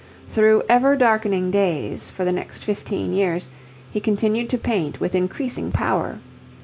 Through ever darkening days, for the next fifteen years, he continued to paint with increasing power.